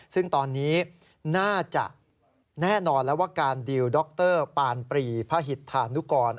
ซึ่งตอนนี้น่าจะแน่นอนแล้วว่าการดีลดรปานปรีพระหิตธานุกร